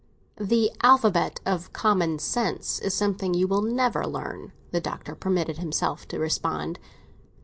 "The alphabet of common sense is something you will never learn," the Doctor permitted himself to respond.